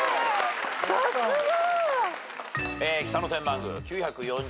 さすが！